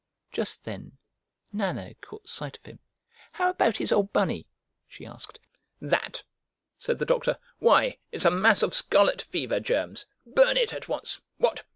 Just then Nana caught sight of him. "How about his old Bunny?" she asked. "That?" said the doctor. "Why, it's a mass of scarlet fever germs! Burn it at once. What?